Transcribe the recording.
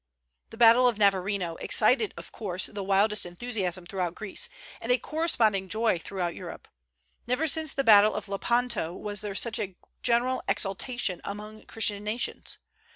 The battle of Navarino excited, of course, the wildest enthusiasm throughout Greece, and a corresponding joy throughout Europe. Never since the battle of Lepanto was there such a general exultation among Christian nations.